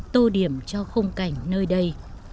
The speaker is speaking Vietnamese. tô điểm cho không cảnh nơi đây